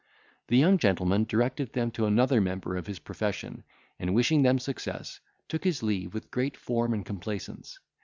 The young gentleman directed them to another member of his profession, and wishing them success, took his leave with great form and complaisance.